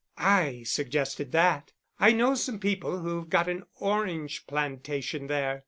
"I suggested that. I know some people who've got an orange plantation there.